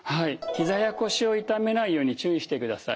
ひざや腰を痛めないように注意してください。